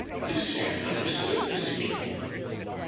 Lucien understood his meaning.